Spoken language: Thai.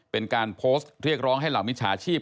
เป็นการโพสต์เรียกร้องให้เหล่ามิจฉาชีพ